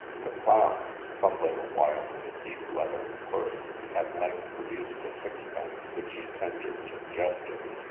' The clown, fumbling awhile in a deep leathern purse, at length produced a sixpence, which he tendered to the jester.